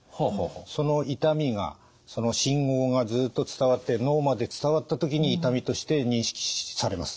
その痛みがその信号がずっと伝わって脳まで伝わった時に痛みとして認識されます。